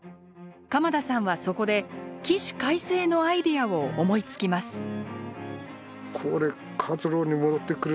鎌田さんはそこで起死回生のアイデアを思いつきます。